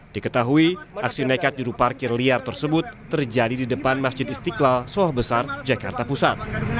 diketahui aksi nekat juru parkir liar tersebut terjadi di depan masjid istiqlal soha besar jakarta pusat